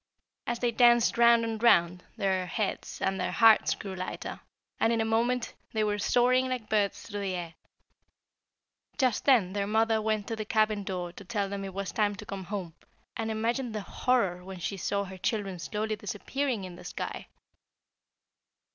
As they danced round and round their heads and their hearts grew lighter, and in a few moments they were soaring like birds through the air. Just then their mother went to the cabin door to tell them it was time to come home; and imagine her horror when she saw her children slowly disappearing in the sky!